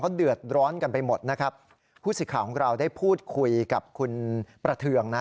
เดือดร้อนกันไปหมดนะครับผู้สิทธิ์ข่าวของเราได้พูดคุยกับคุณประเทืองนะ